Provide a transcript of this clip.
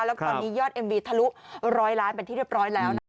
แล้วตอนนี้ยอดเอ็มวีทะลุร้อยล้านเป็นที่เรียบร้อยแล้วนะคะ